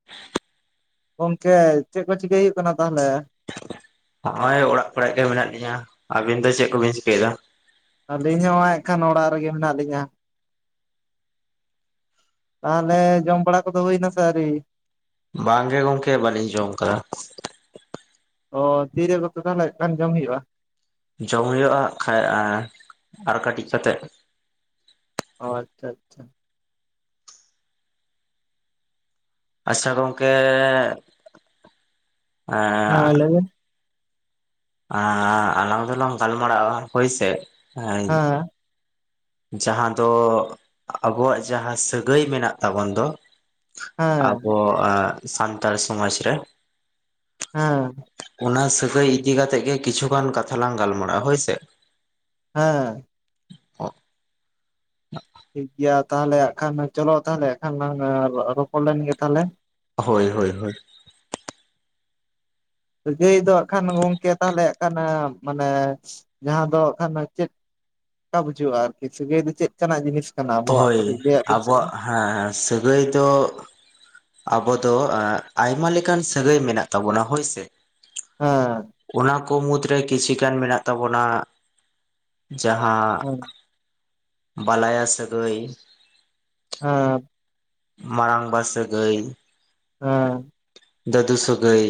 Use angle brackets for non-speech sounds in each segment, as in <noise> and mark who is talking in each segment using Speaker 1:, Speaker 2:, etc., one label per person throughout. Speaker 1: <inaudible>
Speaker 2: ᱜᱚᱝᱠᱮ ᱪᱮᱫ ᱠᱚ ᱪᱤᱠᱟᱹᱭ ᱦᱩᱭᱩᱜ ᱠᱟᱱᱟ ᱛᱟᱦᱚᱞᱮ?
Speaker 1: ᱦᱚᱸᱜᱼᱚᱭ ᱚᱲᱟᱜ ᱠᱚᱨᱮ ᱜᱮ ᱢᱮᱱᱟᱜ ᱞᱤᱧᱟ ᱾ ᱟᱹᱵᱤᱱ ᱫᱚ ᱪᱮᱫ ᱠᱚᱵᱤᱱ ᱪᱤᱠᱟᱹᱭᱮᱫᱟ?
Speaker 2: ᱟᱹᱞᱤᱧ ᱦᱚᱸ ᱮᱱᱠᱷᱟᱱ ᱚᱲᱟᱜ ᱨᱮᱜᱮ ᱢᱮᱱᱟᱜ ᱞᱤᱧᱟ ᱾ ᱛᱟᱦᱚᱞᱮ ᱡᱚᱢ ᱵᱟᱲᱟ ᱠᱚᱫᱚ ᱦᱩᱭᱮᱱᱟ ᱥᱮ ᱟᱹᱣᱨᱤ?
Speaker 1: ᱵᱟᱝ ᱜᱮ ᱜᱚᱝᱠᱮ ᱵᱟᱹᱞᱤᱧ ᱡᱚᱢ ᱟᱠᱟᱫᱟ ᱾
Speaker 2: ᱚ ᱛᱤᱨᱮ ᱫᱚ ᱛᱟᱦᱚᱞᱮ ᱠᱷᱟᱱ ᱡᱚᱢ ᱦᱩᱭᱩᱜᱼᱟ?
Speaker 1: ᱡᱚᱢ ᱦᱩᱭᱩᱜᱼᱟ ᱠᱷᱟᱡ ᱟᱨ ᱠᱟᱹᱴᱤᱡ ᱠᱟᱛᱮᱫ ᱾
Speaker 2: ᱚ ᱟᱪᱪᱷᱟ ᱟᱪᱪᱷᱟ ᱾
Speaker 1: ᱟᱪᱪᱷᱟ ᱜᱚᱝᱠᱮᱻ ᱮᱻ
Speaker 2: ᱦᱮᱸ ᱞᱟᱹᱭ ᱵᱮᱱ
Speaker 1: ᱟᱻ ᱟᱞᱟᱝ ᱫᱚᱞᱟᱝ ᱜᱟᱞᱢᱟᱨᱟᱜᱼᱟ ᱦᱳᱭ ᱥᱮ ᱾
Speaker 2: ᱦᱮᱸ
Speaker 1: ᱡᱟᱦᱟᱸ ᱫᱚ ᱟᱵᱚᱣᱟᱜ ᱡᱟᱦᱟᱸ ᱥᱟᱹᱜᱟᱹᱭ ᱢᱮᱱᱟᱜ ᱛᱟᱵᱚᱱ ᱫᱚ ᱾
Speaker 2: ᱦᱮᱸ
Speaker 1: ᱟᱵᱚ ᱟ ᱥᱟᱱᱛᱟᱲ ᱥᱚᱢᱟᱡᱽ ᱨᱮ ᱾
Speaker 2: ᱦᱮᱸ ᱾
Speaker 1: ᱚᱱᱟ ᱥᱟᱹᱜᱟᱹᱭ ᱤᱫᱤ ᱠᱟᱛᱮᱜ ᱜᱮ ᱠᱤᱪᱷᱩᱜᱟᱱ ᱠᱟᱛᱷᱟ ᱞᱟᱝ ᱜᱟᱞᱢᱟᱨᱟᱜᱼᱟ ᱦᱳᱭ ᱥᱮ ᱾
Speaker 2: ᱦᱮᱸ ᱾
Speaker 1: <unintelligible>
Speaker 2: ᱴᱷᱤᱠ ᱜᱮᱭᱟ ᱛᱟᱦᱚᱞᱮ ᱦᱟᱜ ᱠᱷᱟᱱ ᱪᱚᱞᱚ ᱛᱟᱦᱚᱞᱮ ᱠᱷᱟᱱ ᱞᱟᱝ ᱨᱚᱯᱚᱲ ᱞᱮᱱ ᱜᱮ ᱛᱟᱦᱚᱞᱮ ᱾
Speaker 1: ᱦᱳᱭ ᱦᱳᱭ ᱦᱳᱭ ᱾
Speaker 2: ᱥᱟᱹᱜᱟᱹᱭ ᱫᱚ ᱦᱟᱜ ᱠᱷᱟᱱ ᱜᱚᱝᱠᱮ ᱛᱟᱦᱚᱞᱮ ᱦᱟᱜ ᱠᱷᱟᱱ ᱢᱟᱱᱮ ᱡᱟᱦᱟᱸ ᱫᱚ ᱦᱟᱜ ᱠᱷᱟᱱ ᱪᱮᱫ ᱚᱱᱠᱟ ᱵᱩᱡᱷᱟᱹᱜᱼᱟ ᱟᱨᱠᱤ ᱥᱟᱹᱜᱟᱹᱭ ᱫᱚ ᱪᱮᱫ ᱠᱟᱱᱟᱜ ᱡᱤᱱᱤᱥ ᱠᱟᱱᱟ ᱟᱵᱚᱣᱟᱜ? ᱠᱟᱹᱴᱤᱡ ᱞᱟᱹᱭᱟᱜ ᱵᱤᱱ ᱥᱮ ᱵᱟᱝ ᱾
Speaker 1: ᱦᱮᱸᱻ ᱥᱟᱹᱜᱟᱹᱭ ᱫᱚ ᱟᱵᱚ ᱫᱚ ᱟᱭᱢᱟ ᱞᱮᱠᱟᱱ ᱥᱟᱹᱜᱟᱹᱭ ᱢᱮᱱᱟᱜ ᱛᱟᱵᱚᱱᱟ ᱦᱳᱭ ᱥᱮ ᱾
Speaker 2: ᱦᱮᱸᱻ ᱾
Speaker 1: ᱚᱱᱟ ᱠᱚ ᱢᱩᱫᱽ ᱨᱮ ᱠᱤᱪᱷᱤ ᱜᱟᱱ ᱢᱮᱱᱟᱜ ᱛᱟᱵᱚᱱᱟ ᱡᱟᱦᱟᱸ
Speaker 2: ᱦᱮᱸ
Speaker 1: ᱵᱟᱞᱟᱭᱟ ᱥᱟᱹᱜᱟᱹᱭ ᱾
Speaker 2: ᱦᱮᱸ ᱾
Speaker 1: ᱢᱟᱨᱟᱝᱵᱟ ᱥᱟᱹᱜᱟᱹᱭ ᱾
Speaker 2: ᱦᱮᱸ ᱾
Speaker 1: ᱫᱟᱹᱫᱩ ᱥᱟᱹᱜᱟᱹᱭ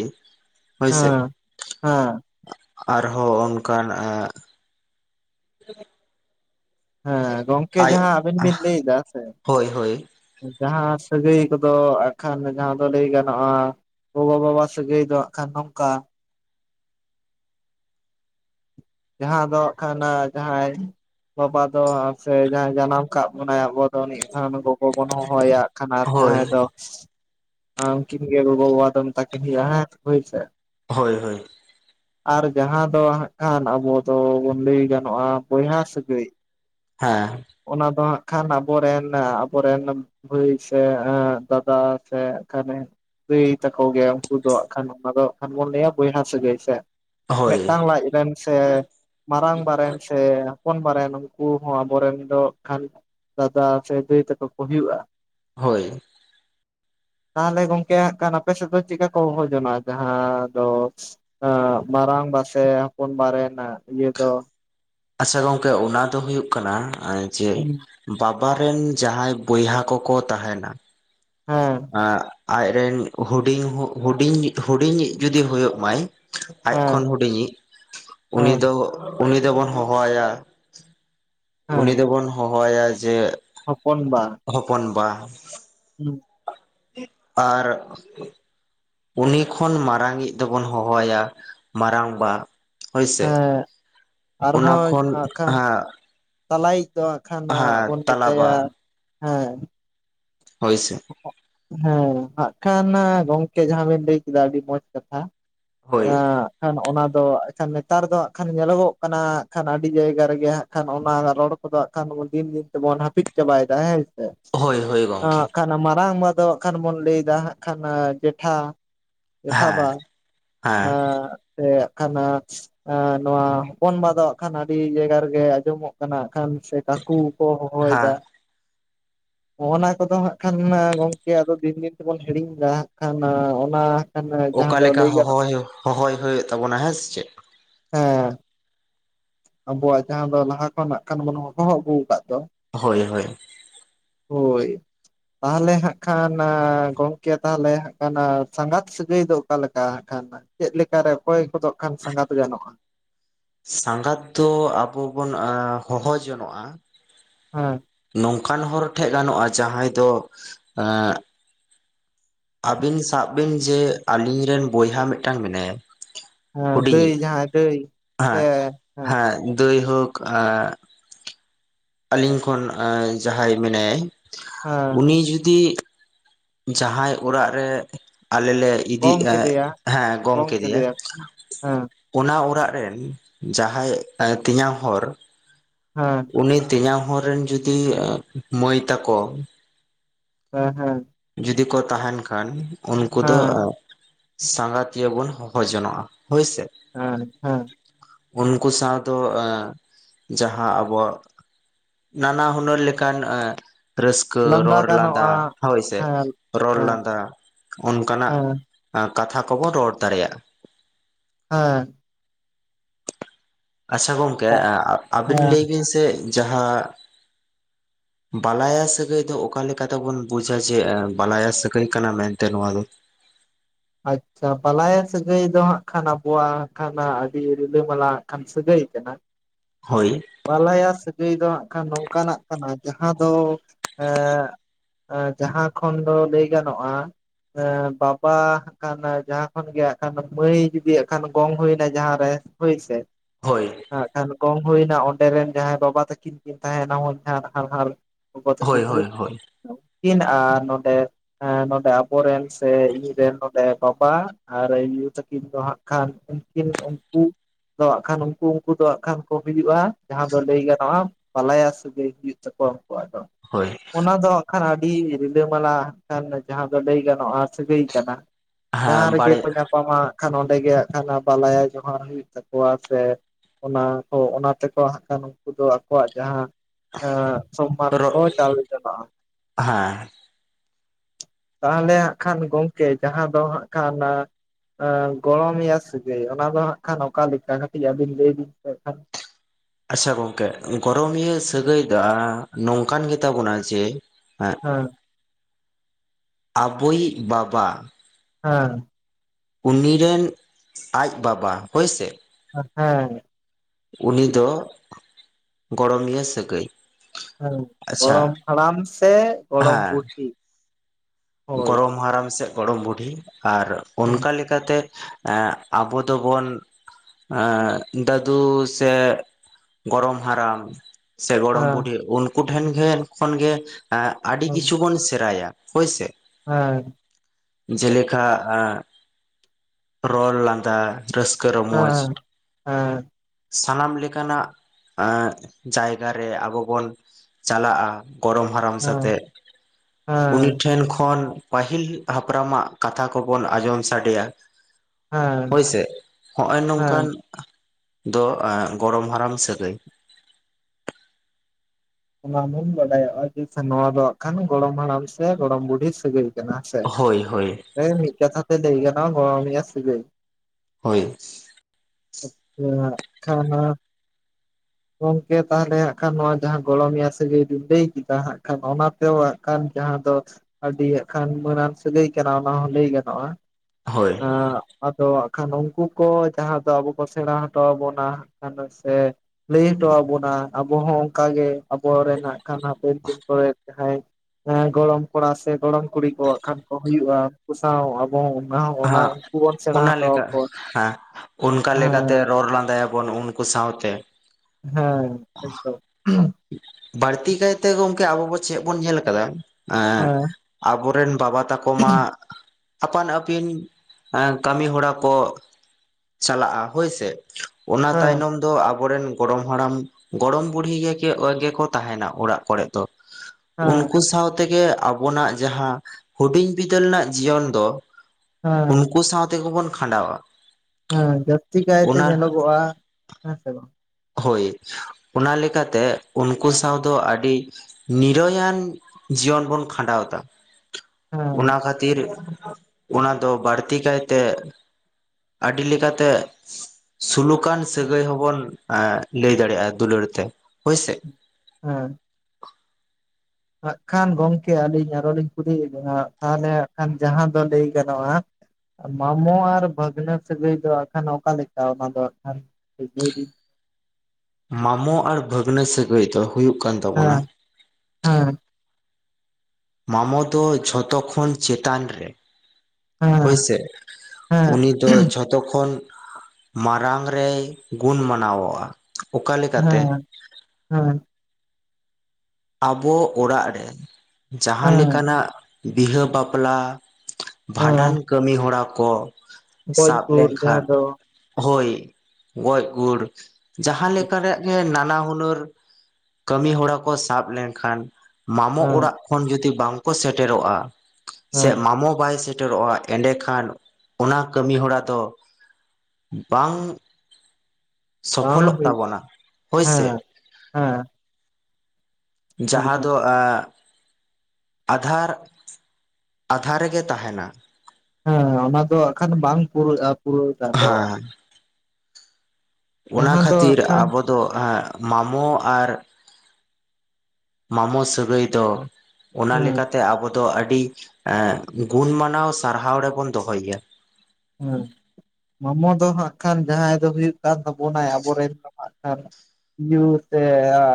Speaker 1: ᱦᱳᱭ ᱥᱮ
Speaker 2: ᱦᱮᱸ ᱦᱮᱸ
Speaker 1: ᱾ ᱟᱨ ᱦᱚᱸ ᱚᱱᱠᱟᱱᱟᱜ <unintelligible>
Speaker 2: ᱦᱮᱸ ᱜᱚᱝᱠᱮ
Speaker 1: ᱟᱡ
Speaker 2: ᱡᱟᱦᱟᱸ ᱟᱵᱤᱱ ᱵᱤᱱ ᱞᱟᱹᱭᱮᱫᱟ ᱥᱮ
Speaker 1: ᱦᱳᱭ ᱦᱳᱭ
Speaker 2: ᱡᱟᱦᱟᱸ ᱥᱟᱹᱜᱟᱹᱭ ᱠᱚᱫᱚ ᱟᱜ ᱠᱷᱟᱱ ᱡᱟᱦᱟᱸ ᱫᱚ ᱞᱟᱹᱭ ᱜᱟᱱᱚᱜᱼᱟ ᱜᱚᱜᱚ ᱵᱟᱵᱟ ᱥᱟᱹᱜᱟᱹᱭ ᱫᱚ ᱦᱟᱜ ᱠᱷᱟᱱ ᱱᱚᱝᱠᱟ ᱡᱟᱦᱟᱸ ᱫᱚ ᱦᱟᱸᱜ ᱠᱷᱟᱱ ᱡᱟᱦᱟᱸᱭ ᱵᱟᱵᱟ ᱫᱚ ᱥᱮ ᱡᱟᱦᱟᱸᱭ ᱡᱟᱱᱟᱢ ᱠᱟᱜ ᱵᱚᱱᱟᱭ ᱟᱵᱚ ᱾ ᱟᱫᱚ ᱢᱤᱫ ᱫᱷᱟᱣ ᱜᱚᱜᱚ ᱵᱚᱱ ᱦᱚᱦᱚ ᱟᱭᱟ ᱦᱟᱜ ᱠᱷᱟᱱ ᱟᱨ
Speaker 1: ᱦᱳᱭ
Speaker 2: ᱡᱟᱦᱟᱸᱭ ᱫᱚ ᱦᱟ ᱩᱱᱠᱤᱱ ᱜᱮ ᱜᱚᱜᱚ ᱵᱟᱵᱟ ᱫᱚ ᱢᱮᱛᱟ ᱠᱤᱱ ᱦᱳᱭᱳᱜᱼᱟ ᱦᱮᱸ ᱦᱳᱭ ᱥᱮ ᱾
Speaker 1: ᱦᱳᱭ ᱦᱳᱭ ᱾
Speaker 2: ᱟᱨ ᱡᱟᱦᱟᱸ ᱫᱚ ᱦᱟᱸᱜ ᱠᱷᱟᱱ ᱟᱵᱚ ᱫᱚ ᱵᱚᱱ ᱞᱟᱹᱭ ᱜᱟᱱᱚᱜᱼᱟ ᱵᱚᱭᱦᱟ ᱥᱟᱹᱜᱟᱹᱭ ᱾
Speaker 1: ᱦᱮᱸ ᱾
Speaker 2: ᱚᱱᱟ ᱫᱚ ᱦᱟᱸᱜ ᱠᱷᱟᱱ ᱟᱵᱚ ᱨᱮᱱ ᱟᱵᱚ ᱨᱮᱱ ᱵᱷᱟᱹᱭ ᱥᱮ ᱮᱸ ᱫᱟᱫᱟ ᱥᱮ ᱦᱟᱜ ᱠᱷᱟᱱᱮ ᱫᱟᱹᱭ ᱛᱟᱠᱚ ᱜᱮ ᱩᱱᱠᱩ ᱫᱚ ᱦᱟᱜ ᱠᱷᱟᱱ ᱚᱱᱟ ᱫᱚ ᱦᱟᱜ ᱠᱷᱟᱱ ᱵᱚᱱ ᱞᱟᱹᱭᱟ ᱵᱚᱭᱦᱟ ᱥᱟᱹᱜᱟᱹᱭ ᱥᱮ ᱾
Speaker 1: ᱦᱳᱭ
Speaker 2: ᱢᱮᱫᱴᱟᱝ ᱞᱟᱡ ᱨᱮᱱ ᱥᱮ ᱢᱟᱨᱟᱝᱵᱟ ᱨᱮᱱ ᱥᱮ ᱦᱚᱯᱚᱱᱵᱟ ᱨᱮᱱ ᱩᱱᱠᱩ ᱦᱚᱸ ᱟᱵᱚ ᱨᱮᱱ ᱫᱚ ᱦᱟᱜ ᱠᱷᱟᱱ ᱫᱟᱫᱟ ᱥᱮ ᱫᱟᱹᱭ ᱛᱟᱠᱚ ᱠᱚ ᱦᱩᱭᱩᱜᱼᱟ ᱾
Speaker 1: ᱦᱳᱭ ᱾
Speaker 2: <inaudible> ᱛᱟᱦᱚᱞᱮ ᱜᱚᱝᱠᱮ ᱦᱟᱜ ᱠᱷᱟᱱ ᱟᱯᱮ ᱥᱮᱫ ᱫᱚ ᱪᱮᱫ ᱠᱟ ᱠᱚ ᱦᱚᱦᱚ ᱡᱚᱱᱚᱜᱼᱟ? ᱡᱟᱦᱟᱸ ᱫᱚ ᱢᱟᱨᱟᱝ ᱵᱟ ᱥᱮ ᱦᱚᱯᱚᱱ ᱵᱟᱨᱮᱱ ᱤᱭᱟᱹ ᱫᱚᱼᱼ
Speaker 1: ᱟᱪᱪᱷᱟ ᱜᱚᱝᱠᱮ ᱚᱱᱟ ᱫᱚ ᱦᱩᱭᱩᱜ ᱠᱟᱱᱟ ᱡᱮᱼᱼ
Speaker 2: ᱦᱮᱸ
Speaker 1: ᱵᱟᱵᱟᱨᱮᱱ ᱡᱟᱦᱟᱸᱭ ᱵᱚᱭᱦᱟ ᱠᱚᱠᱚ ᱛᱟᱦᱮᱱᱟ
Speaker 2: ᱦᱮᱸ
Speaker 1: ᱟ ᱟᱡᱨᱮᱱ ᱦᱩᱰᱤᱧ ᱦᱩᱰᱤᱧ ᱦᱩᱰᱤᱧᱤᱡ ᱡᱩᱫᱤ ᱦᱳᱭᱳᱜ ᱢᱟᱭ ᱟᱡ
Speaker 2: ᱦᱮᱸ
Speaker 1: ᱠᱷᱚᱱ ᱦᱩᱰᱤᱧᱤᱡ ᱩᱱᱤ
Speaker 2: ᱦᱮᱸ
Speaker 1: ᱫᱚ ᱩᱱᱤ ᱫᱚᱵᱚᱱ ᱦᱚᱦᱚ ᱟᱭᱟ ᱩᱱᱤ
Speaker 2: ᱦᱮᱸ
Speaker 1: ᱫᱚᱵᱚᱱ ᱦᱚᱦᱚ ᱟᱭᱟ ᱡᱮ
Speaker 2: ᱦᱚᱯᱚᱱ ᱵᱟ᱾
Speaker 1: ᱦᱚᱯᱚᱱ ᱵᱟ᱾
Speaker 2: ᱦᱩᱸ <inaudible>
Speaker 1: ᱟᱨᱼᱼ ᱩᱱᱤ ᱠᱷᱚᱱ ᱢᱟᱨᱟᱝ ᱤᱡ ᱫᱚᱵᱚᱱ ᱦᱚᱦᱚ ᱟᱭᱟ ᱢᱟᱨᱟᱝᱵᱟ ᱦᱳᱭᱥᱮ, ᱚᱱᱟ
Speaker 2: ᱟᱨᱦᱚᱸ
Speaker 1: ᱠᱷᱚᱱ
Speaker 2: ᱦᱟᱸᱜ ᱠᱷᱟᱱ
Speaker 1: ᱦᱮᱸ
Speaker 2: ᱛᱟᱞᱟᱭᱤᱡ ᱫᱚ ᱦᱟᱸᱜ ᱠᱷᱟᱱ
Speaker 1: ᱦᱮᱸ
Speaker 2: ᱵᱚᱱ ᱢᱮᱛᱟᱭᱟ
Speaker 1: ᱛᱟᱞᱟᱵᱟ
Speaker 2: ᱦᱮᱸ
Speaker 1: ᱦᱳᱭ ᱥᱮ
Speaker 2: ᱦᱮᱸ ᱦᱟᱜ ᱠᱷᱟᱱ ᱜᱚᱝᱠᱮ ᱡᱟᱦᱟᱸ ᱵᱤᱱ ᱞᱟᱹᱭ ᱠᱮᱫᱟ ᱟᱹᱰᱤ ᱢᱚᱸᱡᱽ ᱠᱟᱛᱷᱟ,
Speaker 1: ᱦᱳᱭ
Speaker 2: <inaudible> ᱠᱷᱟᱱ ᱚᱱᱟ ᱫᱚ ᱮᱠᱷᱟᱱ ᱱᱮᱛᱟᱨ ᱫᱚ ᱦᱟᱸᱜ ᱠᱷᱟᱱ ᱧᱮᱞᱚᱜᱚᱜ ᱠᱟᱱᱟ ᱦᱟᱸᱜ ᱠᱷᱟᱱ ᱟᱹᱰᱤ ᱡᱟᱭᱜᱟ ᱨᱮᱜᱮ ᱦᱟᱸᱜ ᱠᱷᱟᱱ ᱚᱱᱟ ᱨᱚᱲᱼᱼ ᱠᱚᱫᱚ ᱦᱟᱜ ᱠᱷᱟᱱ ᱵᱚᱱ ᱫᱤᱱ ᱫᱤᱱ ᱛᱮᱵᱚᱱ ᱦᱟᱹᱯᱤᱫ ᱪᱟᱵᱟᱭᱮᱫᱟ,
Speaker 1: ᱦᱳᱭ ᱦᱳᱭ ᱜᱚᱢᱠᱮ
Speaker 2: ᱦᱟᱜ ᱠᱷᱟᱱ ᱢᱟᱨᱟᱝᱵᱟ ᱫᱚ ᱦᱟᱸᱜ ᱠᱷᱟᱱ ᱵᱚᱱ ᱞᱟᱹᱭᱫᱟ ᱦᱟᱸᱜ ᱠᱷᱟᱱ ᱡᱮᱴᱷᱟ,
Speaker 1: ᱦᱮᱸ
Speaker 2: ᱡᱮᱴᱷᱟᱵᱟ
Speaker 1: ᱦᱮᱸ
Speaker 2: ᱥᱮ ᱦᱟᱜ ᱠᱷᱟᱱᱼᱼ ᱮᱸ ᱱᱚᱣᱟ ᱦᱚᱯᱚᱱ ᱵᱟ ᱫᱚ ᱦᱟᱜ ᱠᱷᱟᱱ ᱟᱹᱰᱤ ᱡᱟᱭᱜᱟ ᱨᱮᱜᱮ ᱟᱸᱡᱚᱢᱚᱜ ᱠᱟᱱᱟ ᱦᱟᱜ ᱠᱷᱟᱱ ᱥᱮ ᱠᱟᱼᱼ ᱠᱩ ᱠᱚ
Speaker 1: ᱦᱮᱸ
Speaker 2: ᱦᱚᱦᱚᱭᱮᱫᱟ ᱱᱚᱱᱟ ᱠᱚᱫᱚ ᱦᱟᱸᱜᱼᱼ ᱠᱷᱟᱱ ᱜᱚᱝᱠᱮ ᱟᱫᱚ ᱫᱤᱱ ᱫᱤᱱ ᱛᱮᱵᱚᱱ ᱦᱤᱲᱤᱧ ᱮᱫᱟ ᱦᱟᱜ ᱠᱷᱟᱱ ᱚᱱᱟᱼᱼ
Speaker 1: ᱚᱠᱟᱮᱠᱟ ᱦᱚᱦᱚᱭ ᱦᱚᱦᱚᱭ ᱦᱳᱭᱳᱜ ᱛᱟᱵᱚᱱᱟ ᱦᱮᱸ ᱥᱮ ᱪᱮᱫ,
Speaker 2: ᱦᱮᱸ ᱟᱵᱚᱣᱟᱜ ᱡᱟᱦᱟᱸ ᱫᱚ ᱞᱟᱦᱟ ᱠᱷᱚᱱ ᱦᱟᱜ ᱠᱷᱟᱱ ᱵᱚᱱ ᱦᱚᱦᱚ ᱟᱹᱜᱩ ᱠᱟᱜ ᱫᱚ,
Speaker 1: ᱦᱳᱭ ᱦᱳᱭ
Speaker 2: ᱦᱳᱭ ᱛᱟᱦᱞᱮ ᱦᱟᱸᱜ ᱠᱷᱟᱱ ᱜᱚᱝᱠᱮ ᱛᱟᱦᱞᱮ ᱦᱟᱸᱜ ᱠᱷᱟᱱ ᱥᱟᱸᱜᱟᱛ ᱥᱟᱹᱜᱟᱹᱭ ᱫᱚ ᱚᱠᱟ ᱞᱮᱠᱟ ᱦᱟᱸᱜ ᱠᱷᱟᱱ? ᱪᱮᱫ ᱞᱮᱠᱟᱨᱮ ᱚᱠᱚᱭ ᱜᱚᱫᱚ ᱠᱷᱟᱱ ᱥᱟᱸᱜᱟᱛ ᱜᱟᱱᱚᱜᱼᱟ?
Speaker 1: ᱥᱟᱸᱜᱟᱛ ᱫᱚ ᱟᱵᱚ ᱵᱚᱱ ᱦᱚᱦᱚ ᱡᱚᱱᱚᱜᱼᱟ,
Speaker 2: ᱦᱩᱸ
Speaker 1: ᱱᱚᱝᱠᱟᱱ ᱦᱚᱨ ᱴᱷᱮᱡ ᱜᱟᱱᱚᱜᱼᱟ ᱡᱟᱦᱟᱸᱭ ᱫᱚ ᱮᱸ ᱼᱼ ᱟᱹᱵᱤᱱ ᱥᱟᱵ ᱵᱤᱱ ᱡᱮ ᱟᱞᱤᱧ ᱨᱮᱱ ᱵᱚᱭᱦᱟ ᱢᱤᱫᱴᱟᱝ ᱢᱮᱱᱟᱭᱟ,
Speaker 2: ᱦᱮ ᱫᱟᱹᱭ
Speaker 1: ᱦᱩᱰᱤᱧᱤᱡ
Speaker 2: ᱡᱟᱦᱟᱸᱭ ᱫᱟᱹᱭ
Speaker 1: ᱦᱮᱸ
Speaker 2: ᱥᱮᱼᱼ
Speaker 1: ᱦᱮᱸ ᱫᱟᱹᱭ ᱦᱳᱠ ᱮᱸ ᱼᱼ ᱟᱹᱞᱤᱧ ᱠᱷᱚᱱ ᱟᱸ ᱡᱟᱦᱟᱸᱭ ᱢᱮᱱᱟᱭᱟ
Speaker 2: ᱦᱮᱸ
Speaker 1: ᱩᱱᱤ ᱡᱩᱫᱤᱼᱼ ᱡᱟᱦᱟᱸᱭ ᱚᱲᱟᱜ ᱨᱮ ᱟᱞᱮ ᱞᱮ ᱤᱫᱤ
Speaker 2: ᱜᱚᱝ
Speaker 1: ᱮᱸᱦ
Speaker 2: ᱠᱮᱫᱮᱭᱟ
Speaker 1: ᱦᱮᱸ ᱜᱚᱝ ᱠᱮᱫᱮᱭᱟ,
Speaker 2: ᱦᱮᱸ
Speaker 1: ᱚᱱᱟ ᱚᱨᱟᱜ ᱨᱮᱱ ᱡᱟᱦᱟᱸᱭ ᱛᱮᱧᱟᱝ ᱦᱚᱨᱼᱼ
Speaker 2: ᱦᱮᱸ
Speaker 1: ᱩᱱᱤ ᱛᱮᱧᱟᱝ ᱦᱚᱲ ᱨᱮᱱ ᱡᱩᱫᱤ ᱢᱟᱹᱭ ᱛᱟᱠᱚᱼᱼ
Speaker 2: ᱦᱮᱸ ᱦᱮᱸ
Speaker 1: ᱡᱩᱫᱤ ᱠᱚ ᱛᱟᱦᱮᱱ ᱠᱷᱟᱱ ᱩᱱᱠᱩ ᱫᱚᱼᱼ ᱥᱟᱸᱜᱟᱛᱤᱭᱟᱹ ᱵᱚᱱ ᱦᱚᱦᱚ ᱡᱚᱱᱚᱜᱼᱟ ᱦᱳᱭᱥᱮ᱾
Speaker 2: ᱮᱸ ᱦᱮᱸ
Speaker 1: ᱩᱱᱠᱩ ᱥᱟᱶ ᱫᱚ ᱡᱟᱦᱟᱸ ᱟᱵᱚᱣᱟᱜᱼᱼ ᱱᱟᱱᱟ ᱦᱩᱱᱟᱹᱨ ᱞᱮᱠᱟᱱ ᱮᱸ ᱼᱼ ᱨᱟᱹᱥᱠᱟᱹ ᱨᱚᱲ ᱞᱟᱸᱫᱟ ᱦᱳᱭ ᱥᱮ
Speaker 2: ᱦᱮᱸ
Speaker 1: ᱨᱚᱲ
Speaker 2: ᱦᱮᱸ
Speaker 1: ᱞᱟᱸᱫᱟ ᱚᱱᱠᱟᱱᱟᱜᱼᱼ
Speaker 2: ᱦᱮᱸ
Speaker 1: ᱟᱸ ᱠᱟᱛᱷᱟ ᱠᱚᱵᱚᱱ ᱨᱚᱲ ᱫᱟᱲᱮᱭᱟᱜᱼᱟ,
Speaker 2: ᱦᱟᱸ
Speaker 1: ᱟᱪᱪᱷᱟ ᱜᱚᱝᱠᱮ ᱟᱜ ᱟᱜ ᱟᱹᱵᱤᱱ
Speaker 2: ᱦᱮᱸ
Speaker 1: ᱞᱟᱹᱭ ᱵᱤᱱ ᱥᱮ ᱡᱟᱦᱟᱸᱼᱼ
Speaker 2: <inaudible>
Speaker 1: ᱵᱟᱞᱟᱭᱟ ᱥᱟᱹᱜᱟᱹᱭ ᱫᱚ ᱚᱠᱟ ᱞᱮᱠᱟᱛᱮᱵᱚᱱ ᱵᱩᱡᱽ ᱟ, ᱡᱮ ᱵᱟᱞᱟᱭᱟ ᱥᱟᱹᱜᱟᱹᱭ ᱠᱟᱱᱟ ᱢᱮᱱᱛᱮ ᱱᱚᱣᱟ ᱫᱚ?
Speaker 2: ᱟᱪᱪᱷᱟ ᱵᱟᱞᱟᱭᱟ ᱥᱟᱹᱜᱟᱹᱭ ᱫᱚ ᱦᱟᱸᱜ ᱠᱷᱟᱱ ᱟᱵᱚᱣᱟᱜ ᱠᱷᱟᱱᱟᱜ ᱟᱹᱰᱤ ᱨᱤᱞᱟᱹᱢᱟᱞᱟ ᱦᱟᱸᱜ ᱠᱷᱟᱱ ᱥᱟᱹᱜᱟᱹᱭ ᱠᱟᱱᱟ᱾ <inaudible>
Speaker 1: ᱦᱳᱭ,
Speaker 2: ᱵᱟᱞᱟᱭᱟ ᱥᱟᱹᱜᱟᱹᱭ ᱫᱚ ᱦᱟᱸᱜ ᱠᱷᱟᱱ ᱱᱚᱝᱠᱟᱱᱟᱜ ᱠᱟᱱᱟ ᱡᱟᱦᱟᱸ ᱫᱚ ᱦᱮᱸᱜᱼᱼ ᱮᱸ ᱡᱟᱦᱟᱸ ᱠᱷᱚᱱ ᱫᱚ ᱞᱟᱹᱭ ᱜᱟᱱᱚᱜᱼᱟ, ᱮᱸ ᱵᱟᱵᱟ ᱦᱟᱜ ᱠᱷᱟᱱ ᱡᱟᱦᱟᱸ ᱠᱷᱚᱱ ᱜᱮᱭᱟᱜ ᱠᱷᱟᱱ, ᱢᱟᱹᱭ ᱡᱩᱫᱤᱭᱟᱜ ᱠᱷᱟᱱ ᱜᱚᱝ ᱦᱩᱭᱮᱱᱟ ᱡᱟᱦᱟᱸ ᱨᱮ ᱦᱳᱭ ᱥᱮ,
Speaker 1: ᱦᱳᱭ ᱾
Speaker 2: ᱦᱟᱸᱜ ᱠᱷᱟᱱ ᱜᱚᱝ ᱦᱩᱭ ᱮᱱᱟ ᱚᱸᱰᱮ ᱨᱮᱱ ᱡᱟᱦᱟᱸᱭ ᱵᱟᱵᱟ ᱛᱟᱹᱠᱤᱱ ᱠᱤᱱ ᱛᱟᱦᱮᱸᱱᱟ ᱦᱚᱧᱦᱟᱨ, ᱦᱟᱱᱦᱟᱨᱼᱼ ᱜᱚᱜᱚ
Speaker 1: ᱦᱳᱭ
Speaker 2: ᱛᱤᱠᱤᱱ
Speaker 1: ᱦᱳᱭ
Speaker 2: ᱦᱩᱵᱤᱱ
Speaker 1: ᱦᱳᱭ
Speaker 2: <unintelligible> ᱠᱤᱱ ᱟᱨ ᱱᱚᱸᱰᱮ, ᱱᱚᱸᱰᱮ ᱟᱵᱚᱨᱮᱱ ᱥᱮ ᱤᱭᱟᱹ ᱨᱮᱱ ᱫᱚ ᱮ ᱵᱟᱵᱟ ᱟᱨ ᱭᱩ ᱛᱟᱹᱠᱤᱱ ᱫᱚ ᱦᱟᱸᱜ ᱠᱷᱟᱱ ᱩᱱᱠᱤᱱ ᱩᱱᱠᱩᱼᱼ ᱫᱚ ᱦᱟᱸᱜ ᱠᱷᱟᱱ ᱩᱱᱠᱩ ᱩᱱᱠᱩ ᱫᱚ ᱦᱟᱸᱜ ᱠᱷᱟᱱ ᱠᱚ ᱦᱩᱭᱩᱜᱼᱟ, ᱡᱟᱦᱟᱸ ᱫᱚ ᱞᱟᱹᱭ ᱜᱟᱱᱚᱜᱼᱟ ᱵᱟᱞᱟᱭᱟ ᱥᱟᱹᱜᱟᱹᱭ ᱦᱩᱭᱩᱜ ᱛᱟᱠᱚᱣᱟ ᱩᱱᱠᱩᱣᱟᱜ ᱫᱚ᱾
Speaker 1: ᱦᱳᱭ᱾
Speaker 2: ᱚᱱᱟ ᱫᱚ ᱦᱟᱸᱜ ᱠᱷᱟᱱ ᱟᱹᱰᱤ ᱨᱤᱞᱟᱹᱢᱟᱞᱟ ᱠᱟᱱ ᱡᱟᱦᱟᱸ ᱫᱚ ᱞᱟᱹᱭ ᱜᱟᱱᱚᱜᱼᱟ ᱥᱟᱹᱜᱟᱹᱭ ᱠᱟᱱᱟ! ᱡᱟᱦᱟᱸ
Speaker 1: ᱦᱮᱸ
Speaker 2: ᱨᱮᱜᱮ
Speaker 1: ᱵᱟᱲᱮ
Speaker 2: ᱠᱚ ᱧᱟᱯᱟᱢᱟᱜ ᱠᱷᱟᱱ ᱚᱸᱰᱮ ᱜᱮ ᱦᱟᱸᱜ ᱠᱷᱟᱱ ᱵᱟᱞᱟᱭᱟ ᱡᱚᱦᱟᱨ ᱦᱩᱭᱩᱜ ᱛᱟᱠᱚᱣᱟ ᱥᱮᱼᱼ ᱚᱱᱟ ᱠᱚ ᱚᱱᱟ ᱛᱮᱠᱚ ᱦᱟᱸᱜ ᱠᱟᱱ ᱩᱱᱠᱩ ᱫᱚ ᱟᱠᱚᱣᱟᱜ ᱡᱟᱦᱟᱸᱼᱼ ᱮᱸ ᱥᱚᱢᱢᱟᱱ
Speaker 1: ᱨᱚᱜ
Speaker 2: ᱠᱚ ᱪᱟᱞ ᱡᱚᱱᱚᱜᱼᱟ᱾
Speaker 1: ᱦᱮᱸ᱾
Speaker 2: ᱛᱟᱦᱚᱞᱮ ᱦᱟᱸᱜ ᱠᱷᱟᱱ ᱜᱚᱝᱠᱮ ᱡᱟᱦᱟᱸ ᱫᱚ ᱦᱟᱸᱜ ᱠᱷᱟᱱ ᱟᱸᱼᱼ ᱟᱸ ᱜᱚᱲᱚᱢᱮᱭᱟ ᱥᱟᱹᱜᱟᱹᱭ ᱚᱱᱟ ᱫᱚ ᱦᱟᱸᱜ ᱠᱷᱟᱱ ᱚᱠᱟ ᱞᱤᱠᱟ ᱠᱟᱹᱴᱤᱡ ᱟᱹᱵᱤᱱ ᱞᱟᱹᱭ ᱵᱤᱱ ᱥᱮ ᱠᱷᱟᱱ?
Speaker 1: ᱟᱪᱪᱷᱟ ᱜᱚᱝᱠᱮᱜ ᱜᱚᱨᱚᱱᱤᱭᱟᱹ ᱥᱟᱹᱜᱟᱹᱭ ᱫᱟᱻᱜ ᱱᱚᱝᱠᱟᱱ ᱜᱮ ᱛᱟᱵᱚᱱᱟ ᱡᱮ ᱦᱮᱸᱜᱼᱼ
Speaker 2: ᱦᱮᱸᱜ
Speaker 1: ᱟᱵᱚ ᱭᱤᱡ ᱵᱟᱵᱟ
Speaker 2: ᱦᱮᱸ!
Speaker 1: ᱩᱱᱤ ᱨᱮᱱ ᱟᱡ ᱵᱟᱵᱟ, ᱦᱳᱭ ᱥᱮ!
Speaker 2: ᱦᱮᱸ ᱦᱳᱭ ᱾
Speaker 1: ᱩᱱᱤ ᱫᱚᱜ ᱜᱚᱲᱚᱢᱤᱭᱟᱹ ᱥᱟᱹᱜᱟᱹᱭ᱾
Speaker 2: ᱦᱮᱸ,
Speaker 1: ᱟᱪᱪᱷᱟ
Speaker 2: ᱜᱚᱲᱚᱢ ᱦᱟᱲᱟᱢ ᱥᱮ ᱜᱚᱲᱚᱢ
Speaker 1: ᱦᱮᱸ
Speaker 2: ᱵᱩᱰᱷᱤ? ᱦᱳᱭ
Speaker 1: ᱜᱚᱲᱚᱢ ᱦᱟᱨᱟᱢ ᱥᱮᱫ ᱜᱚᱲᱚᱢ ᱵᱩᱰᱷᱤ ᱟᱨ
Speaker 2: ᱦᱮᱸ
Speaker 1: ᱚᱱᱠᱟ ᱞᱮᱠ ᱟᱛᱮ ᱟᱵᱚ ᱫᱚᱵᱚᱱ ᱮᱸ ᱫᱟᱹᱫᱩ ᱥᱮᱜ ᱜᱚᱨᱚᱢ ᱦᱟᱨᱟᱢ ᱥᱮ ᱜᱚᱲᱚᱢ
Speaker 2: ᱦᱮᱸ
Speaker 1: ᱵᱩᱰᱷᱤ, ᱩᱱᱠᱩ ᱴᱷᱮᱱ ᱜᱷᱮᱱ ᱠᱷᱚᱱ ᱜᱮ ᱟᱸ ᱟᱹᱰᱤ ᱠᱤᱪᱷᱩ
Speaker 2: ᱦᱮᱸ
Speaker 1: ᱵᱚᱱ ᱥᱮᱨᱟᱭᱟ᱾ ᱦᱚᱭ ᱥᱮᱜ᱾
Speaker 2: ᱦᱮᱸ᱾
Speaker 1: ᱡᱮᱞᱮᱠᱟᱜ ᱟᱸ ᱨᱚᱲ, ᱞᱟᱸᱫᱟ ᱨᱟᱹᱥᱠᱟᱹ, ᱨᱚᱢᱚᱡᱽ
Speaker 2: ᱦᱮᱸ ᱦᱮᱸ
Speaker 1: ᱥᱟᱱᱟᱢ ᱞᱮᱠᱟᱱᱟᱜ ᱟᱸ ᱡᱟᱭᱜᱟ ᱨᱮ, ᱟᱵᱚ ᱵᱚᱱ ᱪᱟᱞᱟᱜᱼᱟ᱾ ᱜᱚᱨᱚᱢ ᱦᱟᱨᱟᱢ ᱥᱟᱛᱮᱜ, ᱩᱱᱤ
Speaker 2: ᱦᱮᱸ
Speaker 1: ᱴᱷᱮᱸᱱ ᱠᱷᱚᱸ- ᱦᱚᱱ ᱯᱟᱹᱦᱤᱞ ᱦᱟᱯᱨᱟᱢᱟᱜ ᱠᱟᱛᱷᱟ ᱠᱚᱵᱚᱱ ᱟᱸᱡᱚᱢ ᱥᱟᱰᱮᱭᱟ,
Speaker 2: ᱦᱮᱸ
Speaker 1: ᱦᱳᱭ ᱥᱮᱜ, ᱦᱚᱸᱜᱼᱚᱭ
Speaker 2: ᱦᱮᱸ
Speaker 1: ᱱᱚᱝᱠᱟᱱ <inaudible> ᱫᱚ ᱟ ᱜᱚᱨᱚᱢ ᱦᱟᱨᱟᱢ ᱥᱟᱹᱜᱟᱹᱭ᱾
Speaker 2: ᱚᱱᱟ ᱢᱟᱹᱧ ᱵᱟᱰᱟᱭᱟᱼᱟ ᱠᱤ ᱥᱮ ᱱᱚᱣᱟ ᱫᱚ ᱣᱟᱜ ᱠᱷᱟᱱ ᱜᱚᱲᱚᱢ ᱦᱟᱲᱟᱢ ᱥᱮ ᱜᱚᱲᱚᱢ ᱵᱩᱰᱦᱤ ᱥᱟᱹᱜᱟᱹᱭ? ᱡᱟᱦᱟᱸ ᱥᱮ,
Speaker 1: ᱦᱳᱭ ᱦᱳᱭ
Speaker 2: ᱦᱚᱻᱭ ᱢᱤᱫ ᱠᱟᱛᱷᱟ ᱛᱮ ᱞᱟᱹᱭ ᱜᱟᱱᱚᱜᱼᱟ ᱱᱚᱣᱟ ᱟᱹᱞᱤᱧᱟᱜ ᱥᱟᱹᱜᱟᱹᱭ᱾
Speaker 1: ᱦᱳᱭ!
Speaker 2: ᱮ ᱻᱯᱮ ᱦᱚᱲᱟᱜ ᱠᱷᱟᱱᱟ, ᱜᱚᱝᱠᱮ ᱛᱟᱦᱚᱞᱮ ᱦᱟᱸᱜ ᱠᱷᱟᱱ ᱱᱚᱣᱟ ᱡᱟᱦᱟᱸ ᱜᱚᱲᱚᱢᱮᱭᱟ ᱥᱟᱹᱜᱟᱹᱭ ᱞᱟᱹᱭ ᱠᱮᱫᱟ ᱦᱟᱸᱜ ᱠᱷᱟᱱ ᱚᱱᱟᱼᱼ ᱤᱛᱟᱹᱣᱟᱜ ᱠᱟᱱ ᱡᱟᱦᱟᱸ ᱫᱚ ᱟᱹᱰᱤ ᱠᱷᱟᱱ ᱢᱟᱹᱱ ᱥᱟᱹᱜᱟᱹᱭ ᱠᱟᱱᱟ ᱚᱱᱟ ᱦᱚᱸ ᱞᱟᱹᱭ ᱜᱟᱱᱚᱜᱼᱟ᱾
Speaker 1: ᱦᱚᱭ
Speaker 2: ᱟᱫᱚ ᱠᱷᱟᱱ ᱩᱱᱠᱩ ᱠᱚ ᱡᱟᱦᱟᱸ ᱫᱚ ᱟᱵᱚ ᱠᱚ ᱥᱮᱬᱟ ᱦᱚᱴᱚ ᱟᱵᱚᱱᱟ, ᱠᱷᱟᱱ ᱥᱮ ᱞᱟᱹᱭ ᱦᱚᱴᱚ ᱟᱵᱚᱱᱟ ᱟᱵᱚ ᱦᱚᱸ ᱚᱱᱠᱟᱜᱮ ᱟᱵᱚ ᱨᱮᱱ ᱦᱟᱜ ᱦᱟᱯᱮᱱ ᱫᱤᱱ ᱠᱚᱨᱮᱼᱼᱼ ᱡᱟᱦᱟᱸᱭ, ᱜᱚᱲᱚᱢ ᱠᱚᱲᱟ ᱥᱮ ᱜᱚᱲᱚᱢ ᱠᱩᱲᱤ ᱠᱚᱣᱟᱜ ᱠᱷᱟᱱ ᱠᱚ ᱦᱩᱭᱩᱜᱼᱟ᱾ ᱩᱱᱠᱩ ᱥᱟᱶ ᱟᱵᱚ ᱚᱱᱟ ᱚᱱᱟ
Speaker 1: ᱦᱟᱸ
Speaker 2: ᱩᱱᱠᱩ ᱵᱚᱱ ᱥᱮᱬᱟ
Speaker 1: ᱚᱱᱟ
Speaker 2: ᱦᱚᱴᱚ
Speaker 1: ᱞᱮᱠᱟ
Speaker 2: ᱟᱠᱚᱣᱟ᱾
Speaker 1: ᱦᱮᱸ ᱚᱱᱠᱟ
Speaker 2: ᱦᱮᱸ
Speaker 1: ᱞᱮᱠᱟᱛᱮ ᱨᱚᱲ ᱞᱟᱸᱫᱟᱭᱟᱵᱚᱱ ᱩᱱᱠᱩ ᱥᱟᱶᱛᱮ᱾
Speaker 2: ᱦᱮᱸ ᱮᱫᱚᱢ <inaudible>
Speaker 1: ᱵᱟᱹᱲᱛᱤ ᱠᱟᱭᱛᱮ ᱜᱚᱢᱠᱮ ᱟᱵᱚ ᱵᱚ ᱪᱮᱫ ᱵᱚᱱ ᱧᱮᱞ ᱠᱟᱫᱟ, ᱮᱸᱜᱼᱼ
Speaker 2: ᱦᱮᱸ
Speaker 1: ᱟᱵᱚᱨᱮᱱ ᱵᱟᱵᱟ ᱛᱟᱠᱚ ᱢᱟ ᱟᱯᱟᱱ ᱟᱹᱯᱤᱱ ᱠᱟᱹᱢᱤ ᱦᱚᱨᱟ ᱠᱚ ᱪᱟᱞᱟᱜᱼᱟ ᱦᱳᱭ ᱥᱮᱼᱼ ᱚᱱᱟ
Speaker 2: ᱦᱮᱸ
Speaker 1: ᱛᱟᱭᱱᱚᱢ ᱫᱚ ᱟᱵᱚᱨᱮᱱ ᱜᱚᱲᱚᱢ ᱦᱟᱲᱟᱢ ᱜᱚᱲᱚᱢ ᱵᱩᱰᱷᱤ ᱜᱮᱼᱼ ᱜᱮ ᱠᱚ ᱛᱟᱦᱮᱱᱟ ᱚᱲᱟᱜ ᱠᱚᱨᱮ ᱫᱚ,
Speaker 2: ᱦᱮᱸ
Speaker 1: ᱩᱱᱠᱩ ᱥᱟᱶ ᱛᱮ ᱜᱮ ᱟᱵᱚᱱᱟᱜ ᱡᱟᱦᱟᱸ ᱦᱩᱰᱤᱧ ᱵᱤᱫᱟᱹᱞ ᱨᱮᱱᱟᱜ ᱡᱤᱭᱚᱱ ᱫᱚ
Speaker 2: ᱦᱮᱸ
Speaker 1: ᱩᱱᱠᱩ ᱥᱟᱶᱼᱼ ᱛᱮᱜᱮ ᱵᱚᱱ ᱠᱷᱟᱸᱰᱟᱣᱟ᱾
Speaker 2: ᱦᱮᱸ ᱡᱟᱹᱥᱛᱤ ᱠᱟᱭᱛᱮ
Speaker 1: ᱚᱱᱟ
Speaker 2: ᱧᱮᱞᱚᱜᱚᱜᱼᱟ ᱦᱮᱸ ᱥᱮ ᱵᱟᱝ
Speaker 1: ᱦᱳᱭ ᱚᱱᱟ ᱞᱮᱠᱟᱛᱮ ᱩᱱᱠᱩ ᱥᱟᱶ ᱫᱚ ᱟᱹᱰᱤᱼᱼ ᱱᱤᱨᱟᱹᱭᱟᱱ ᱡᱤᱭᱚᱱ ᱵᱚᱱ ᱠᱷᱟᱸᱰᱟᱣ ᱮᱫᱟ ᱾
Speaker 2: ᱦᱮᱸ
Speaker 1: ᱚᱱᱟ ᱠᱷᱟᱹᱛᱤᱨ, ᱚᱱᱟ ᱫᱚ ᱵᱟᱹᱲᱛᱤ ᱠᱟᱭᱛᱮᱼᱼ ᱟᱹᱰᱤ ᱞᱮᱠᱟᱛᱮ ᱥᱩᱞᱩᱠᱟᱱ ᱥᱟᱹᱜᱟᱹᱭ ᱦᱚᱸᱵᱚᱱ ᱞᱟᱹᱭ ᱫᱟᱲᱮᱭᱟᱜᱼᱟ ᱫᱩᱞᱟᱹᱲ ᱛᱮ ᱦᱚᱭ ᱥᱮ ᱾
Speaker 2: ᱦᱮᱸ ᱦᱟᱜ ᱠᱷᱟᱱ ᱜᱚᱢᱠᱮ ᱟᱹᱞᱤᱧ ᱟᱨᱚᱞᱤᱧ ᱠᱩᱞᱤᱭᱮᱫ ᱵᱮᱱᱟ ᱛᱟᱦᱚᱞᱮ ᱠᱷᱟᱱ ᱡᱟᱦᱟᱸ ᱫᱚ ᱞᱟᱹᱭ ᱜᱟᱱᱚᱜᱼᱟ᱾ ᱢᱟᱢᱚ ᱟᱨ ᱵᱷᱟᱹᱜᱽᱱᱟᱹ ᱥᱟᱹᱜᱟᱹᱭ ᱫᱚ ᱦᱟᱜ ᱚᱠᱟ ᱞᱮᱠᱟ <unintelligible> ᱵᱤᱱ
Speaker 1: ᱢᱟᱢᱚ ᱟᱨ ᱵᱷᱟᱹᱜᱽᱱᱟᱹ ᱥᱟᱹᱜᱟᱹᱭ ᱫᱚ ᱦᱩᱭᱩᱜ ᱠᱟᱱ ᱛᱟᱵᱚᱱᱟ᱾
Speaker 2: ᱟᱨ <unintelligible>
Speaker 1: ᱢᱟᱢᱚ ᱫᱚ ᱡᱷᱚᱛᱚ ᱠᱷᱚᱱ ᱪᱮᱛᱟᱱ ᱨᱮᱼᱼ ᱦᱚᱭ
Speaker 2: ᱦᱮᱸ
Speaker 1: ᱥᱮ,
Speaker 2: ᱦᱮᱸ
Speaker 1: ᱩᱱᱤ ᱫᱚ ᱡᱷᱚᱛᱚ ᱠᱷᱚᱱ ᱢᱟᱨᱟᱝ ᱨᱮᱭ ᱜᱩᱱ ᱢᱟᱱᱟᱣᱚᱜᱼᱟ᱾ ᱚᱠᱟ ᱞᱮᱠᱟᱛᱮ
Speaker 2: ᱦᱮᱸ, ᱦᱮᱸ᱾
Speaker 1: ᱟᱵᱚ ᱚᱲᱟᱜ ᱨᱮ ᱡᱟᱦᱟᱸ
Speaker 2: ᱦᱮᱸ
Speaker 1: ᱞᱮᱠᱟᱱᱟᱜ ᱵᱤᱦᱟᱹ ᱵᱟᱯᱞᱟ᱾ ᱵᱷᱟᱸᱰᱟᱱ
Speaker 2: ᱦᱮᱸ
Speaker 1: ᱠᱟᱹᱢᱤ ᱦᱚᱨᱟ ᱠᱚ
Speaker 2: ᱜᱚᱡ
Speaker 1: ᱥᱟᱵ
Speaker 2: ᱜᱩᱨ
Speaker 1: ᱞᱮᱱᱠᱷᱟᱱ,
Speaker 2: ᱡᱟᱦᱟᱸ ᱫᱚ
Speaker 1: ᱦᱳᱭ, ᱜᱚᱡᱜᱩᱨ ᱡᱟᱦᱟᱸ ᱞᱮᱠᱟᱱᱟᱜ ᱜᱮ ᱱᱟᱱᱟ ᱦᱩᱱᱟᱹᱨ ᱠᱟᱹᱢᱤ ᱦᱚᱨᱟ ᱠᱚ ᱥᱟᱵ ᱞᱮᱱᱠᱷᱟᱱ ᱢᱟᱢᱚ
Speaker 2: ᱦᱮᱸ
Speaker 1: ᱚᱲᱟᱜ ᱡᱩᱫᱤ ᱵᱟᱝ ᱠᱚ ᱥᱮᱴᱮᱨᱚᱜᱼᱟ ᱥᱮ
Speaker 2: ᱦᱮᱸ
Speaker 1: ᱢᱟᱢᱚ ᱵᱟᱭ ᱥᱮᱴᱼᱼ ᱥᱮᱴᱮᱨᱚᱜᱼᱟ ᱮᱸᱰᱮᱠᱷᱟᱱ ᱚᱱᱟ ᱠᱟᱹᱢᱤ ᱦᱚᱨᱟ ᱫᱚ ᱵᱟᱝ
Speaker 2: ᱵᱟᱝ
Speaker 1: ᱥᱚᱯᱷᱚᱞᱚᱜ
Speaker 2: ᱦᱩᱭ
Speaker 1: ᱛᱟᱵᱚᱱᱟ ᱦᱚᱭ ᱥᱮ ᱾
Speaker 2: ᱦᱮᱸ ᱦᱮᱸ
Speaker 1: ᱡᱟᱦᱟᱸ
Speaker 2: ᱮᱠᱫᱚᱢ
Speaker 1: ᱫᱚ ᱟᱻ ᱟᱫᱷᱟᱨ, ᱟᱫᱷᱟᱨ ᱨᱮᱜᱮ ᱛᱟᱦᱮᱱᱟ ᱾
Speaker 2: ᱦᱮᱸ ᱚᱱᱟ ᱫᱚ ᱮᱠᱷᱟᱱ ᱵᱟᱝ ᱯᱩᱨᱟ, -ᱟ ᱯᱩᱨᱟᱹᱼᱼ
Speaker 1: ᱦᱟᱸ ᱦᱟᱸ ᱚᱱᱟ
Speaker 2: ᱡᱟᱦᱟᱸ ᱫᱚ
Speaker 1: ᱠᱷᱟᱹᱛᱤᱨ
Speaker 2: ᱦᱟᱸᱜ ᱠᱷᱟᱱ
Speaker 1: ᱟᱵᱚ ᱫᱚ ᱢᱟᱢᱚ ᱟᱨᱼᱼ ᱢᱟᱢᱚ ᱥᱟᱹᱜᱟᱹᱭ ᱫᱚ ᱚᱱᱟ
Speaker 2: ᱦᱮᱸ
Speaker 1: ᱞᱮᱠᱟᱛᱮ ᱟᱵᱚ ᱫᱚ ᱟᱹᱰᱤ ᱜᱩᱱ ᱢᱟᱱᱟᱣ ᱥᱟᱨᱦᱟᱣ ᱨᱮᱵᱚᱱ ᱫᱚᱦᱚᱭ ᱜᱮᱭᱟ᱾
Speaker 2: ᱦᱮᱸ ᱢᱟᱢᱚ ᱫᱚ ᱦᱟᱸᱜ ᱠᱷᱟᱱ ᱡᱟᱦᱟᱸᱭ ᱫᱚ ᱦᱩᱭᱩᱜ ᱠᱟᱱ ᱛᱟᱵᱚᱱᱟᱭ ᱟᱵᱚᱨᱮᱱ ᱫᱚ ᱦᱟᱸᱜ ᱠᱷᱟᱱᱼᱼ ᱭᱩ ᱥᱮ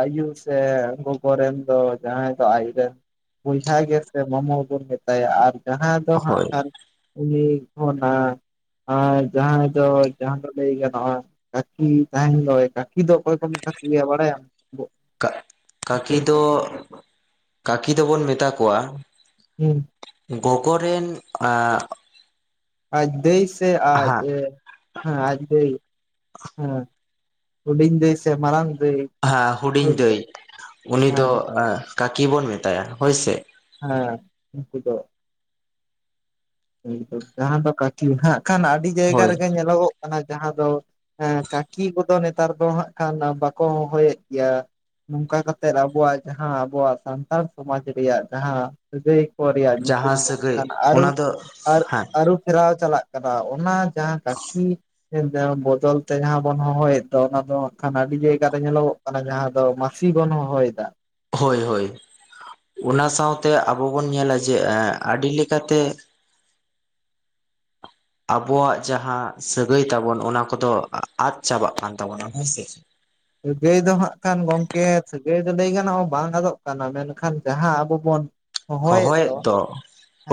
Speaker 2: ᱟᱭᱩ ᱥᱮ ᱜᱚᱜᱚ ᱨᱮᱱ ᱫᱚ ᱡᱟᱦᱟᱸᱭ ᱫᱚ ᱟᱡ ᱨᱮᱱ ᱵᱚᱭᱦᱟ ᱜᱮᱥᱮ ᱢᱟᱢᱚ ᱵᱚᱱ ᱢᱮᱛᱟᱭᱟ ᱾ ᱟᱨ ᱡᱟᱦᱟᱸᱭ ᱫᱚ ᱦᱟᱸᱜ
Speaker 1: ᱦᱳᱭ
Speaker 2: ᱠᱷᱟᱱ ᱩᱱᱤ ᱠᱷᱚᱱ ᱦᱮᱸ ᱮᱸ ᱡᱟᱦᱟᱸᱭ ᱫᱚ ᱡᱟᱦᱟᱸᱫᱚ ᱞᱟᱹᱭ ᱜᱟᱱᱚᱜᱼᱟᱼᱼ ᱠᱟᱠᱤ ᱛᱟᱦᱮᱱ ᱫᱚᱭ, ᱠᱟᱠᱤ ᱫᱚ ᱚᱠᱚᱭ ᱠᱚ ᱢᱮᱛᱟᱠᱚᱣᱟ ᱵᱟᱲᱟᱭᱟᱢ?
Speaker 1: ᱠᱟᱠᱤ ᱫᱚ, ᱠᱟᱠᱤ ᱫᱚᱵᱚᱱ ᱢᱮᱛᱟ ᱠᱚᱣᱟ
Speaker 2: <unintelligible>
Speaker 1: ᱜᱚᱜᱚ ᱨᱮᱱ ᱮᱸ
Speaker 2: ᱟᱡ ᱫᱟᱹᱭ ᱥᱮ ᱟᱡ ᱦᱮᱸ ᱟᱡ ᱫᱟᱹᱭ ᱦᱮᱸ, ᱦᱩᱰᱤᱧ ᱫᱟᱹᱭ ᱥᱮ ᱢᱟᱨᱟᱝ ᱫᱟᱹᱭ?
Speaker 1: ᱦᱩᱰᱤᱧ
Speaker 2: ᱦᱳᱭ ᱥᱮ
Speaker 1: ᱫᱟᱹᱭ᱾ ᱩᱱᱤ ᱫᱚ
Speaker 2: ᱦᱮᱸ
Speaker 1: ᱠᱟᱠᱤ ᱵᱚᱱ ᱢᱮᱛᱟᱭᱟ ᱦᱚᱳᱭᱥᱮ᱾
Speaker 2: ᱦᱮᱸ, ᱩᱱᱠᱩ ᱫᱚ ᱡᱟᱦᱟᱸ ᱫᱚ ᱠᱟᱹᱠᱤ ᱦᱟᱸᱜ ᱠᱷᱟᱱ ᱟᱹᱰᱤ ᱡᱟᱭᱜᱟ
Speaker 1: ᱦᱳᱭ
Speaker 2: ᱨᱮᱜᱮ ᱧᱮᱞᱚᱜᱼᱼ ᱠᱟᱱᱟ ᱡᱟᱦᱟᱸ ᱫᱚ ᱮᱸ ᱠᱟᱠᱤ ᱠᱚᱫᱚ ᱱᱮᱛᱟᱨ ᱫᱚ ᱦᱟᱸᱜ ᱠᱷᱟᱱ ᱵᱟᱠᱚ ᱦᱚᱦᱚᱭᱮᱜ ᱜᱮᱭᱟ᱾ ᱱᱚᱝᱠᱟ ᱠᱟᱛᱮᱫ ᱟᱵᱚᱣᱟᱜ ᱡᱟᱦᱟᱸ ᱟᱵᱚᱣᱟᱜ ᱥᱟᱱᱛᱟᱲ ᱥᱚᱢᱟᱡ ᱨᱮᱭᱟᱜ ᱡᱟᱦᱟᱸ ᱥᱟᱹᱜᱟᱹᱭ ᱠᱚᱨᱮᱭᱟᱜ ᱧᱩᱛᱩᱢ
Speaker 1: ᱡᱟᱦᱟᱸ
Speaker 2: ᱫᱚ
Speaker 1: ᱥᱟᱹᱜᱟᱹᱭ
Speaker 2: ᱠᱷᱟᱱ
Speaker 1: ᱚᱱᱟ
Speaker 2: ᱟᱨᱩ-
Speaker 1: ᱫᱚ
Speaker 2: ᱟᱨ
Speaker 1: ᱦᱮᱸ
Speaker 2: ᱟᱹᱨᱩᱯᱷᱮᱨᱟᱣ ᱪᱟᱞᱟᱜ ᱠᱟᱱᱟ᱾ ᱚᱱᱟ ᱡᱟᱦᱟᱸ ᱠᱟᱹᱠᱤ <inaudible> ᱵᱚᱫᱚᱞ ᱛᱮ ᱡᱟᱦᱟᱸ ᱵᱚᱱ ᱦᱚᱦᱚᱭᱮᱫ ᱫᱚ ᱚᱱᱟ ᱫᱚ ᱦᱟᱜ ᱠᱷᱟᱱ ᱟᱹᱰᱤ ᱡᱟᱭᱜᱟ ᱨᱮ ᱧᱮᱞᱚᱜ ᱚᱱᱮ ᱡᱟᱦᱟᱸ ᱫᱚ ᱢᱟᱥᱤ ᱵᱚᱱ ᱦᱚᱦᱚᱭᱮᱫᱟ᱾
Speaker 1: ᱦᱳᱭ ᱦᱳᱭ, ᱚᱱᱟ ᱥᱟᱶᱛᱮ ᱟᱵᱚ ᱵᱚᱱ ᱧᱮᱞᱟ ᱡᱮ ᱟᱰᱤ ᱞᱮᱠᱟᱛᱮ᱾ ᱟᱵᱚᱣᱟᱜ ᱡᱟᱦᱟᱸ ᱥᱟᱹᱜᱟᱹᱭ ᱛᱟᱵᱚᱱ ᱚᱱᱟ ᱠᱚᱫᱚ ᱟᱫ ᱪᱟᱵᱟᱜ ᱠᱟᱱ ᱛᱟᱵᱚᱱᱟ ᱦᱮᱸᱥᱮ?
Speaker 2: ᱥᱟᱹᱜᱟᱹᱭ ᱫᱚ ᱦᱟᱸᱜ ᱠᱷᱟᱱ ᱜᱚᱝᱠᱮ, ᱥᱟᱹᱜᱟᱹᱭ ᱫᱚ ᱞᱟᱹᱭ ᱜᱟᱱᱚᱜᱼᱟ ᱵᱟᱝ ᱟᱫᱚᱜ ᱠᱟᱱᱟ ᱢᱮᱱᱠᱷᱟᱱ ᱡᱟᱦᱟᱸ ᱟᱵᱚ ᱵᱚᱱ
Speaker 1: ᱦᱚᱦᱚᱭᱮᱫ ᱫᱚ,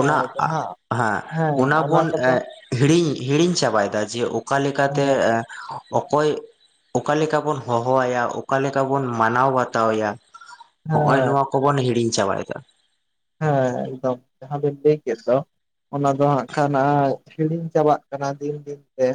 Speaker 1: ᱚᱱᱟ ᱟᱜ
Speaker 2: ᱡᱟᱦᱟᱸ
Speaker 1: ᱦᱮᱸ ᱚᱱᱟ ᱵᱚᱱ ᱦᱤᱲᱤᱧ ᱦᱤᱲᱤᱧ ᱪᱟᱵᱟᱭᱮᱫᱟ ᱡᱮ ᱚᱠᱟ ᱞᱮᱠᱟᱛᱮ
Speaker 2: ᱦᱮᱸ
Speaker 1: ᱚᱠᱚᱭ ᱚᱠᱟ ᱞᱮᱠᱟ ᱵᱚᱱ ᱦᱚᱦᱚᱣᱟᱭᱟ ᱚᱠᱟ ᱞᱮᱠᱟ ᱵᱚᱱ ᱢᱟᱱᱟᱣ ᱵᱟᱛᱟᱣ ᱟᱭᱟ, ᱦᱚᱸᱜᱼᱚᱭ
Speaker 2: ᱦᱮᱸ
Speaker 1: ᱱᱚᱣᱟ ᱠᱚᱵᱚᱱ ᱦᱤᱲᱤᱧ ᱪᱟᱵᱟᱭᱮᱫᱟ᱾
Speaker 2: ᱦᱮᱸ, ᱮᱠᱫᱚᱢ ᱡᱟᱦᱟᱸ ᱵᱮᱱ ᱞᱟᱹᱭ ᱠᱮᱫ ᱫᱚ᱾ ᱚᱱᱟ ᱫᱚ ᱦᱟᱸᱜ ᱠᱷᱟᱱ ᱟᱡ ᱦᱤᱲᱤᱧ ᱪᱟᱵᱟᱜ ᱠᱟᱱᱟ ᱫᱤᱱ ᱫᱤᱱ ᱛᱮ᱾